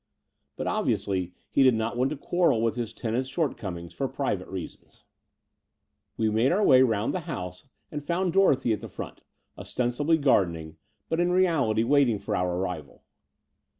But obviously hf did not want to quarrel with his tenant's shortcomings for private reasons. 152 The Door of the Unreal We made our way round the house and found Dorothy at the front, ostensibly gardening, but in reality waiting for our arrival.